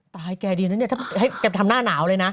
ตายแกดีนะเนี่ยถ้าให้แกไปทำหน้าหนาวเลยนะ